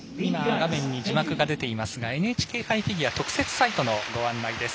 画面に出ていますがＮＨＫフィギュア特設サイトのご案内です。